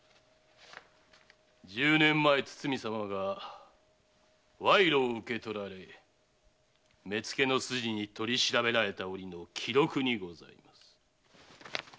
十年前堤様が賄賂を受け取られ目付の筋に取り調べられた折の記録にございます。